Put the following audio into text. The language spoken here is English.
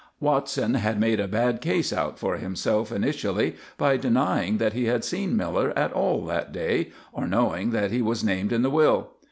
Watson had made a bad case out for himself initially by denying that he had seen Miller at all that day or knowing that he was named in the will.